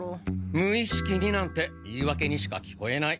むいしきになんて言いわけにしか聞こえない。